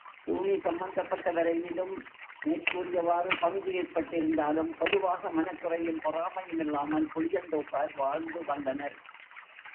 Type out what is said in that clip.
பூமி சம்மந்தப்பட்ட வரையிலும், மேற் கூறியவாறு பங்கு ஏற்பட்டிருந்தாலும், பொதுவாக மனக்குறையும், பொறாமையுமில்லாமல், புளியந்தோப்பார் வாழ்ந்து வந்தனர்.